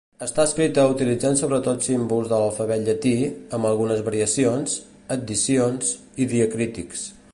Està escrita utilitzant sobretot símbols de l'alfabet llatí, amb algunes variacions, addicions, i diacrítics.